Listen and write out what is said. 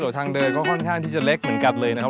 ทางเดินก็ค่อนข้างที่จะเล็กเหมือนกันเลยนะครับ